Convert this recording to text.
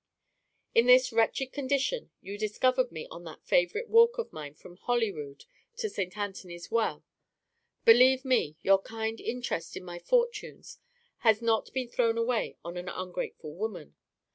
"In this wretched condition you discovered me on that favorite walk of mine from Holyrood to Saint Anthony's Well. Believe me, your kind interest in my fortunes has not been thrown away on an ungrateful woman.